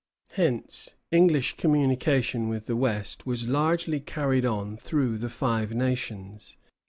Hence English communication with the West was largely carried on through the Five Nations.